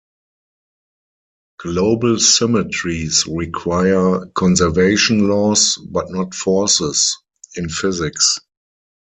Global symmetries require conservation laws, but not forces, in physics.